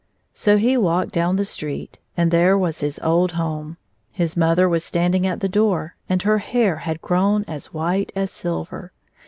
So he walked down the street, and there was his old home. His mother was standing at the door, and her hair had grown as white as silver.